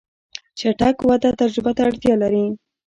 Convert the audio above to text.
چټک وده تجربه ته اړتیا لري.